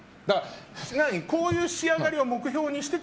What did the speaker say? こういう仕上がりを目標にしてた？